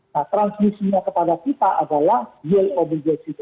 nah transmisinya kepada kita adalah yield obligasi kita